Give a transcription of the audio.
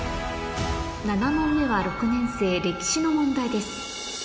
７問目は６年生歴史の問題です